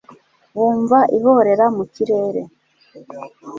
bumva ihorera mu kirere